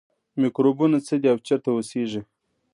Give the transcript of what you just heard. میکروبونه څه دي او چیرته اوسیږي